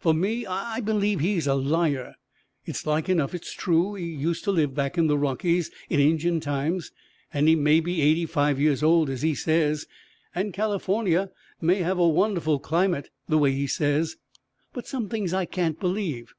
For me, I believe he's a liar. It like enough is true he used to live back in the Rockies in Injun times, and he may be eighty five years old, as he says, and California may have a wonderful climate, the way he says; but some things I can't believe.